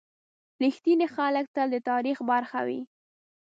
• رښتیني خلک تل د تاریخ برخه وي.